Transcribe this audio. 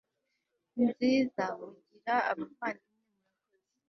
nziza mujyira abavandimwe murakoze